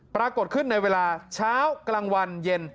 ปรากฏขึ้นในเวลาเช้ากลางวันเย็น